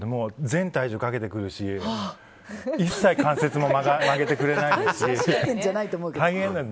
全体重をかけてくるし一切関節も曲げてくれないし大変なの。